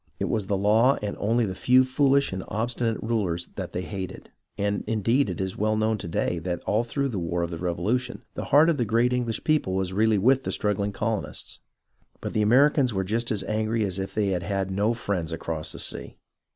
It was the law and only the few foolish and obstinate rulers that they hated, and indeed it is well known to day that all through the war of the Revolution the heart of the great English people was really with the struggHng colonists. But the Americans were just as angry as if they had had no friends across the sea.